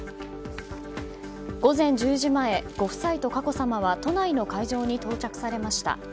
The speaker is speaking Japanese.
午前１０時前ご夫妻と佳子さまは都内の会場に到着されました。